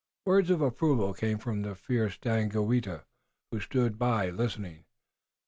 Words of approval came from the fierce Daganoweda, who stood by, listening.